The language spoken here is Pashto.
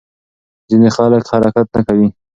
ځینې خلک حرکت نه کوي.